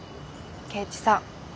圭一さん。